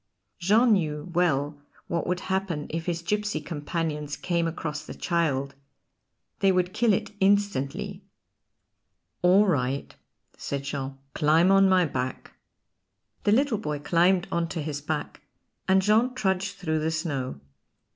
Jean knew well what would happen if his gipsy companions came across the child. They would kill it instantly. "All right," said Jean, "climb on my back." The little boy climbed on to his back, and Jean trudged through the snow.